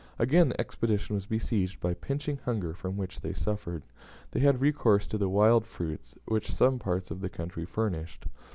Again the Expedition was besieged by pinching hunger from which they suffered; they had recourse to the wild fruits which some parts of the country furnished.